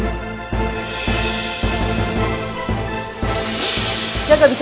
jaga bicara mas sinta